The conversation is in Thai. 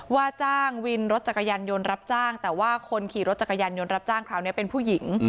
ว่าจ้างวินรถจักรยานยนต์รับจ้างแต่ว่าคนขี่รถจักรยานยนต์รับจ้างคราวนี้เป็นผู้หญิง